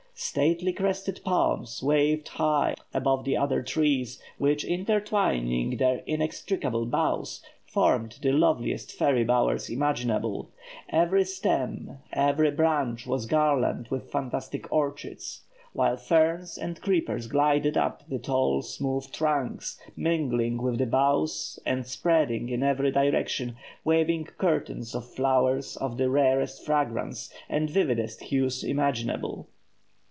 Stately crested palms waved high above the other trees, which intertwining their inextricable boughs, formed the loveliest fairy bowers imaginable; every stem, every branch, was garlanded with fantastic orchids; while ferns and creepers glided up the tall, smooth trunks, mingling with the boughs, and spreading in every direction waving curtains of flowers of the rarest fragrance and vividest hues imaginable.